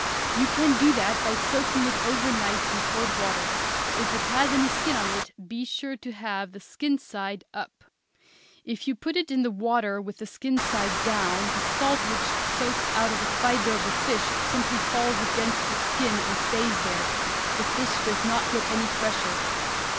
You can do that by soaking it over night in cold water; if it has any skin on it be sure to have the skin side up. If you put it in the water with the skin side down, the salt which soaks out of the fibre of the fish simply falls against the skin and stays there. The fish does not get any fresher.